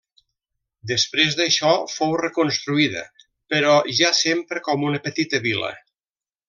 Després d'això, fou reconstruïda, però ja sempre com una petita vila.